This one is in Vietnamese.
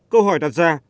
câu hỏi đặt ra